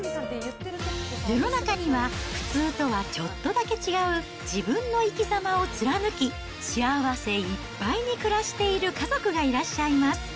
世の中には、普通とはちょっとだけ違う、自分の生きざまを貫き、幸せいっぱいに暮らしている家族がいらっしゃいます。